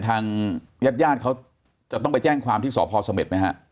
ทางญาติญาติเขาจะต้องไปแจ้งความที่สพสเม็ดไหมฮะ